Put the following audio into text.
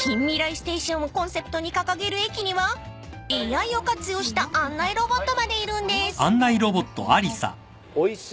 ステーションをコンセプトに掲げる駅にはＡＩを活用した案内ロボットまでいるんです］